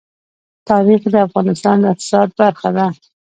تاریخ د افغانستان د اقتصاد برخه ده.